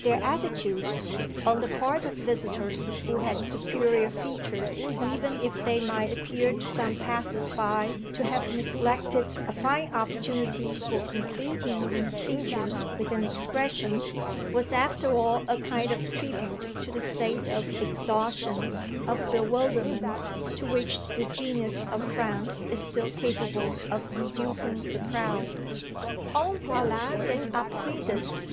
Their attitude, on the part of visitors who had superior features even if they might appear to some passers by to have neglected a fine opportunity for completing these features with an expression, was after all a kind of tribute to the state of exhaustion, of bewilderment, to which the genius of France is still capable of reducing the proud. "En v'là des abrutis!"